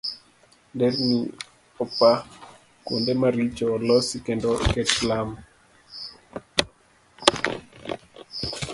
Nderni opa, kuonde maricho olosi kendo oket lam.